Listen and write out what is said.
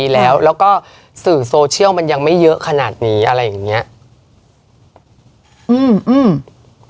แล้วคนอื่นพอบอกได้ไหมคะรายละเอียด